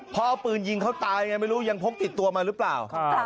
เพราะเอาปืนยิงเขาตายไงไม่รู้ยังพกติดตัวมาหรือเปล่า